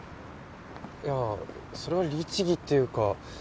いやそれは律義っていうか